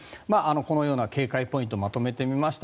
このような警戒ポイントをまとめてみました。